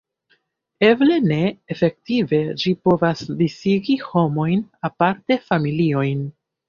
Eble ne: efektive ĝi povas disigi homojn, aparte familiojn.